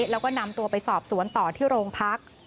แล้วก็นำตัวไปสอบสวนต่อที่โรงพัก